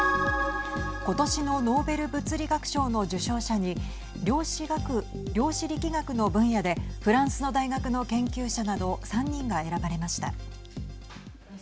今年のノーベル物理学賞の受賞者に量子力学の分野でフランスの大学の研究者など３人が選ばれました。